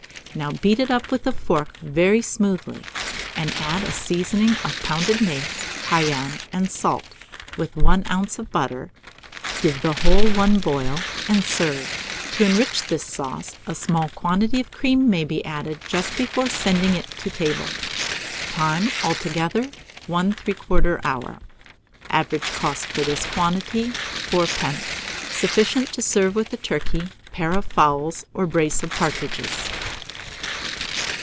Now beat it up with a fork very smoothly, add a seasoning of pounded mace, cayenne, and salt, with 1 oz. of butter; give the whole one boil, and serve. To enrich this sauce, a small quantity of cream may be added just before sending it to table. Time. Altogether, 1 3/4 hour. Average cost for this quantity, 4d. Sufficient to serve with a turkey, pair of fowls, or brace of partridges.